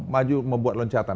maju membuat loncatan